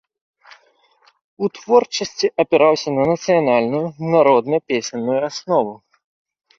У творчасці апіраўся на нацыянальную народна-песенную аснову.